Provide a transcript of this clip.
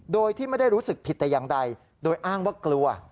โดยที่ไม่ได้รู้สึกผิดแต่อย่างใดโดยอ้างว่ากลัว